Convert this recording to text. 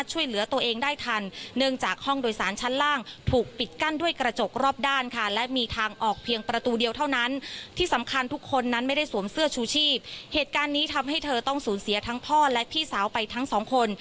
เหตุการณ์นี้ทำให้เธอต้องสูญเสียทั้งพ่อและพี่สาวไปทั้งสองคน